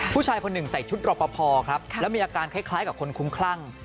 ผู้ชายคนหนึ่งใส่ชุดรอปภครับแล้วมีอาการคล้ายกับคนคุ้มคลั่ง